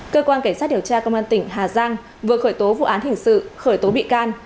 cơ quan cảnh sát điều tra công an tỉnh hà giang vừa khởi tố vụ án hình sự khởi tố bị can